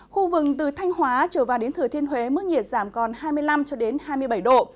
khu vực từ thanh hóa trở vào đến thừa thiên huế mức nhiệt giảm còn hai mươi năm hai mươi bảy độ